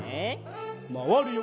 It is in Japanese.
まわるよ。